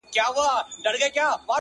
ويل گورئ دې د لاپو پهلوان ته٫